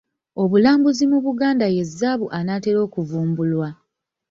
Obulambuzi mu Buganda ye zzaabu anaatera okuvumbulwa.